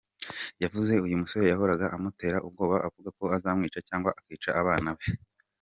Yavuze uyu musore yahoraga amutera ubwoba avuga ko azamwica cyangwa akica abana be.